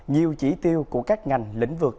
nhiều chỉ tiêu của các ngành lĩnh vực